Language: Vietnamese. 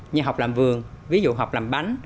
như học làm vườn ví dụ học làm bánh